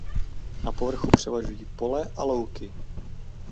Na povrchu převažují pole a louky.